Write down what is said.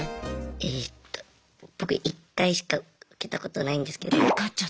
えと僕１回しか受けたことないんですけど。